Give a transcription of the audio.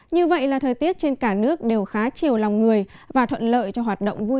như vậy là thời tiết trên cả nước đều khá chiều lòng người và thuận lợi cho hoạt động vui chơi